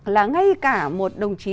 là ngay cả một đồng chí